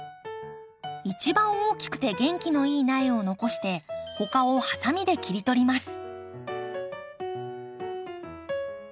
一番大きくて元気のいい苗を残して他をハサミで切り取ります。